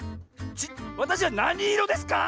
わたしはなにいろですか？